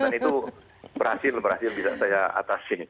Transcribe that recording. dan itu berhasil berhasil bisa saya atasi